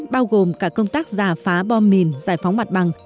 bao gồm cả công tác giả phá bom mìn giải phóng mặt bằng